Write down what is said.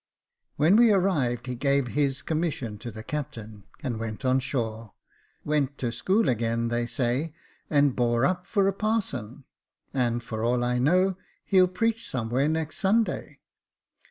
When we arrived, he gave his commis sion to the captain, and went on shore ; went to school again, they say, and bore up for a parson, and for all I know, he'll preach somewhere next Sunday.